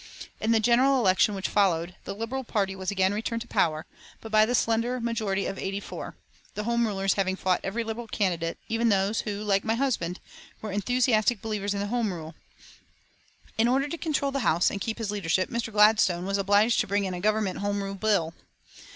In the general election which followed, the Liberal party was again returned to power, but by the slender majority of eighty four, the Home Rulers having fought every Liberal candidate, even those, who, like my husband, were enthusiastic believers in Home Rule. In order to control the House and keep his leadership, Mr. Gladstone was obliged to bring in a Government Home Rule Bill.